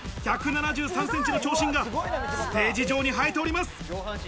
１７３センチの長身がステージ上に映えております。